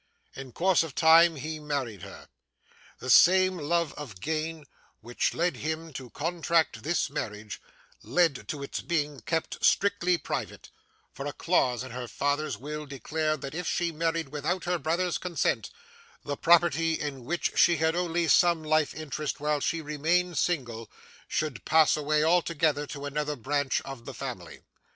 In course of time, he married her. The same love of gain which led him to contract this marriage, led to its being kept strictly private; for a clause in her father's will declared that if she married without her brother's consent, the property, in which she had only some life interest while she remained single, should pass away altogether to another branch of the family.